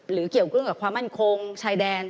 หรือเกี่ยวข้องกับความมั่นคงชายแดน